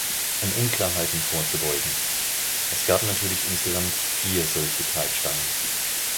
Um Unklarheiten vorzubeugen: Es gab natürlich insgesamt vier solche Treibstangen.